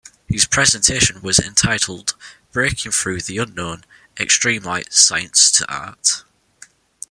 His presentation was entitled "Breaking Through The Unknown: Extreme light, Science to Art".